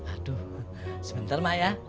aduh sebentar mak